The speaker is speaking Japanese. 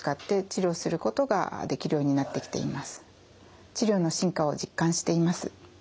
治療の進化を実感しています。